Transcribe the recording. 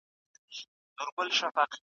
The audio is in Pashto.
ملا جان مي د خوبونو تعبیر کښلی .